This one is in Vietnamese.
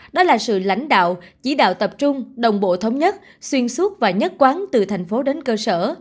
đó là sự lãnh đạo chỉ đạo tập trung đồng bộ thống nhất xuyên suốt và nhất quán từ thành phố đến cơ sở